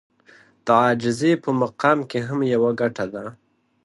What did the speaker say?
د عاجزي په مقام کې هم يوه ګټه ده.